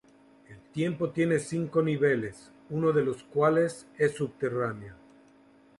El templo tiene cinco niveles, uno de los cuales es subterráneo.